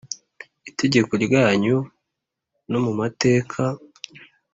itegeko ryanyu no mu mateka